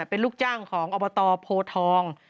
เป็นลูกจ้างของอบตโพทอง